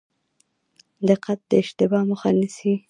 دقت د اشتباه مخه نیسي